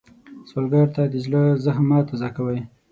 سوالګر ته د زړه زخم مه تازه کوئ